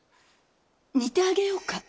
煮てあげようか？